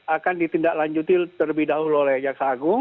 akan ditindaklanjuti terlebih dahulu oleh jaksagung